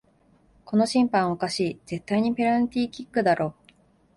この審判おかしい、絶対にペナルティーキックだろ